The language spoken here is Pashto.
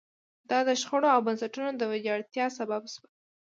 دا د شخړو او بنسټونو د ویجاړتیا سبب شوه.